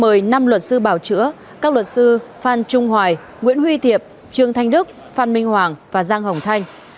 trương mỹ lan mời năm luật sư bảo chữa các luật sư phan trung hoài nguyễn huy thiệp trương thanh đức phan minh hoàng và giang hồng thanh